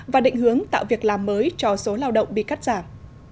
và định hướng tạo việc làm mới cho số lao động bị cắt giảm